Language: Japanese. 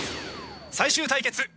最終対決